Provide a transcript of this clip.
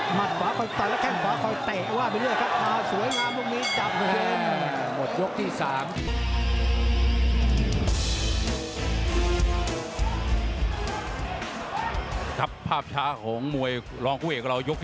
หมัดขวาคอยต่อยแล้วแข้งขวาคอยเตะว่าไปด้วยครับ